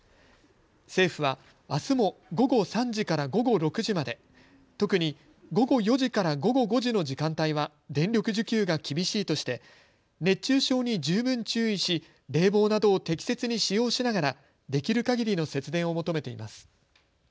政府はあすも午後３時から午後６時まで、特に午後４時から午後５時の時間帯は電力需給が厳しいとして熱中症に十分注意し冷房などを適切に使用しながらできるかぎりの節電を求めています。